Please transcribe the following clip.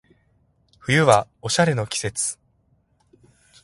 冬はおしゃれの季節